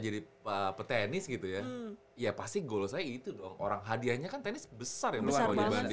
jadi petenis gitu ya ya pasti gol saya itu orang hadiahnya kan tenis besar yang besar banget sih